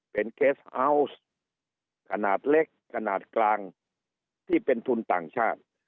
เป็นเคสอัลส์ขนาดเล็กขนาดกลางที่เป็นทุนต่างชาติ